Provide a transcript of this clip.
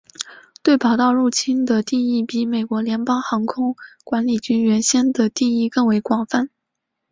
对跑道入侵的定义比美国联邦航空管理局原先的定义更为宽泛。